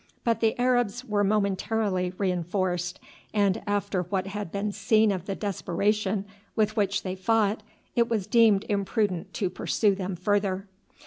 But the Arabs were momentarily reinforced, and after what had been seen of the desperation with which they fought it was deemed imprudent to pursue them further.